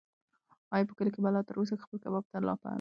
ایا په کلي کې به لا تر اوسه خلک کباب ته په ارمان وي؟